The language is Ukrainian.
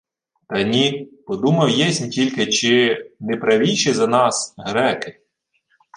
— Та ні... Подумав єсмь тільки, чи... не правійші за нас... греки.